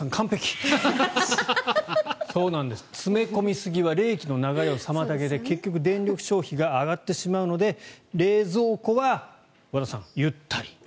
そうなんです、詰め込みすぎは冷気の流れを妨げて結局電力消費が上がってしまうので冷蔵庫は和田さん、ゆったり。